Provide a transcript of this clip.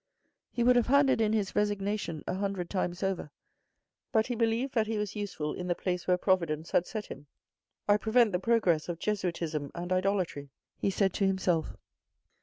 He would have handed in his resignation a hundred times over, but he believed that he was useful in the place where Providence had set him. " I prevent the progress of Jesuitism and Idolatry," he said to himself.